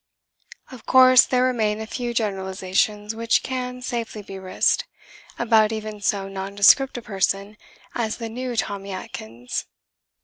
Of course, there remain a few generalisations which can safely be risked about even so nondescript a person as the new Tommy Atkins.